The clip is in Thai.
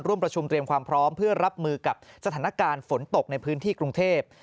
ประชุมเตรียมความพร้อมเพื่อรับมือกับสถานการณ์ฝนตกในพื้นที่กรุงเทพ